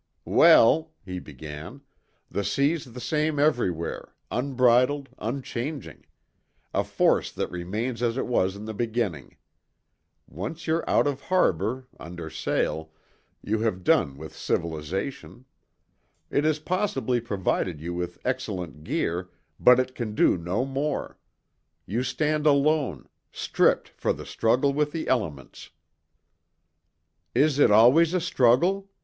"Well," he began, "the sea's the same everywhere, unbridled, unchanging; a force that remains as it was in the beginning. Once you're out of harbour, under sail, you have done with civilisation. It has possibly provided you with excellent gear, but it can do no more; you stand alone, stripped for the struggle with the elements." "Is it always a struggle?"